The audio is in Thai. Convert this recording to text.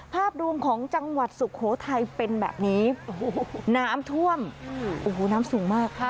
ภาพรวมของจังหวัดสุโขทัยเป็นแบบนี้โอ้โหน้ำท่วมโอ้โหน้ำสูงมากค่ะ